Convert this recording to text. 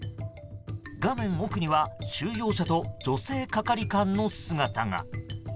画面奥には収容者と女性係官の姿が。